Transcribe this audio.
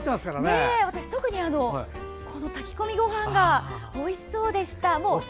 私は特に炊き込みごはんがおいしそうでした。